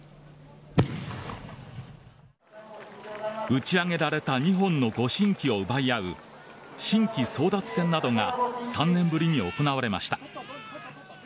打ち上げられた２本のご神旗を奪い合う神旗争奪戦などが３年ぶりに行われました。